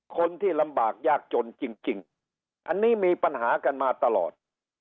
คนที่ลำบากยากจนจริงอันนี้มีปัญหากันมาตลอด